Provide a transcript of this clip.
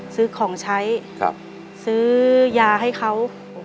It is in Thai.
ซื้อของใช้ซื้อยาให้เขา